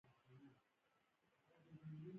د اطلاعاتو او فرهنګ وزارت قبول کړم.